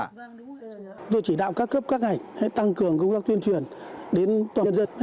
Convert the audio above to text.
chúng tôi chỉ đạo các cấp các ngành tăng cường công tác tuyên truyền đến toàn dân